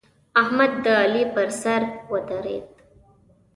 احمد د علي پر سر ودرېد.